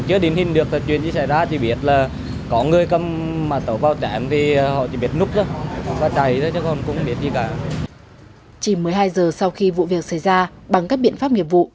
chỉ một mươi hai giờ sau khi vụ việc xảy ra bằng các biện pháp nghiệp vụ